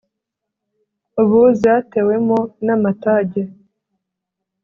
ubu zatewemo n’amatage